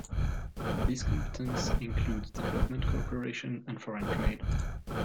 This competence includes development cooperation and foreign trade.